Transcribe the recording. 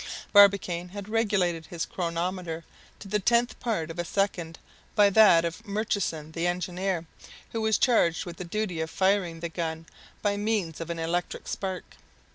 Barbicane had regulated his chronometer to the tenth part of a second by that of Murchison the engineer, who was charged with the duty of firing the gun by means of an electric spark.